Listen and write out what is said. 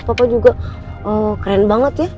papa juga keren banget ya